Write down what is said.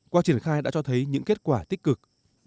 qua triển khai đã cho thấy những kết quả tích cực